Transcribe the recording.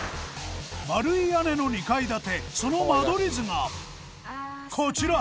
丸い屋根の２階建てその間取り図がこちら！